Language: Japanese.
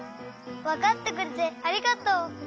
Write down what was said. わかってくれてありがとう！